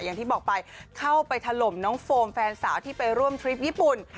อย่างที่บอกไปเข้าไปถล่มน้องโฟมแฟนสาวที่ไปร่วมทริปญี่ปุ่น